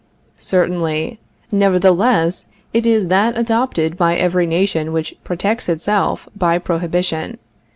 Certainly. Nevertheless it is that adopted by every nation which protects itself by prohibition.